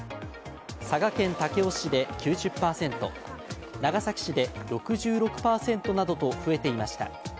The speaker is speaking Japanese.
佐賀県武雄市で９０％長崎市で６６％などと増えていました。